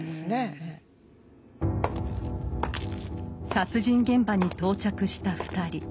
殺人現場に到着した２人。